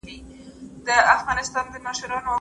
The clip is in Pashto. هغه مسواک چې تا ماته ډالۍ کړ، ډېر ښه کار کوي.